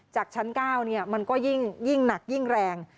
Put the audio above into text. จากชั้น๙มันก็ยิ่งหนักยิ่งแรง